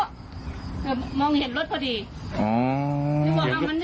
ตรงนี้มองเห็นรถพอดี